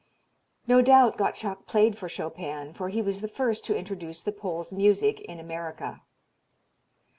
No doubt Gottschalk played for Chopin for he was the first to introduce the Pole's music in America.